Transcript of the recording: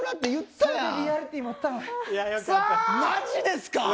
マジですか。